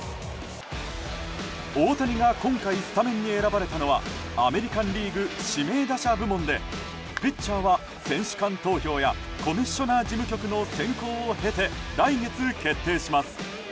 大谷が今回スタメンに選ばれたのはアメリカン・リーグ指名打者部門でピッチャーは選手間投票やコミッショナー事務局の選考を経て来月決定します。